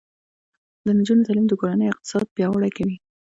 د نجونو تعلیم د کورنۍ اقتصاد پیاوړی کوي.